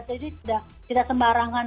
jadi sudah tidak sembarangan